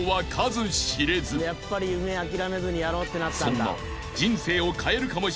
［そんな］